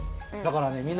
だからね